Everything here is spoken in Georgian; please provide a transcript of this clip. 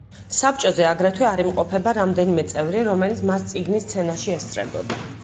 საბჭოზე აგრეთვე არ იმყოფება რამდენიმე წევრი, რომელიც მას წიგნის სცენაში ესწრებოდა.